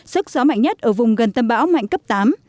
sức gió mạnh nhất ở vùng gần tâm bão mạnh cấp tám